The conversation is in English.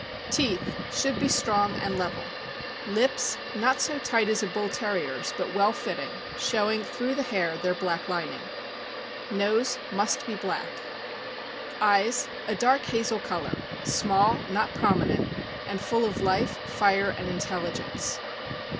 Teetli. — Should be strong and level. Lips. — Not so tight as a Bull Terrier's, but well fitting, showing through the hair their black lining. Nose. — Must be black. 422 THE AMERICAN BOOK OF THE DOG. Eyes. — A dark hazel color, small, not prominent, and full of life, fire, and intelligence.